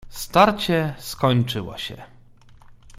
"Starcie skończyło się."